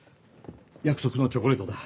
約束のチョコレートだ